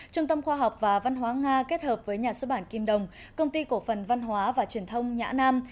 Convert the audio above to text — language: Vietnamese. trung tâm khoa học và văn hóa nga kết hợp với nhà xuất bản kim đồng công ty cổ phần văn hóa và truyền thông nhã nam